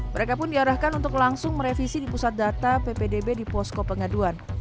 mereka pun diarahkan untuk langsung merevisi di pusat data ppdb di posko pengaduan